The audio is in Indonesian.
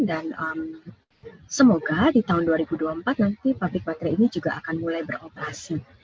dan semoga di tahun dua ribu dua puluh empat nanti pabrik baterai ini juga akan mulai beroperasi